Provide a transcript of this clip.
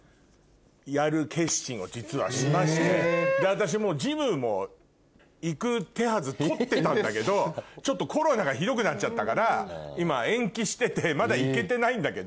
私ジムも行く手はず取ってたんだけどちょっとコロナがひどくなっちゃったから今延期しててまだ行けてないんだけど。